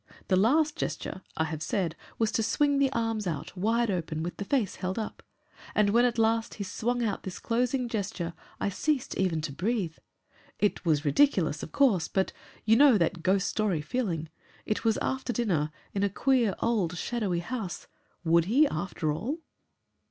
The last gesture, I have said, was to swing the arms out wide open, with the face held up. And when at last he swung out to this closing gesture I ceased even to breathe. It was ridiculous, of course, but you know that ghost story feeling. It was after dinner, in a queer, old shadowy house. Would he, after all